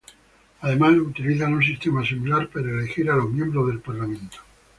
Además utilizan un sistema similar para elegir a los miembros del parlamento.